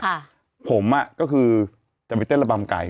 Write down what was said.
ค่ะผมอ่ะก็คือจะไปเต้นระบำไก่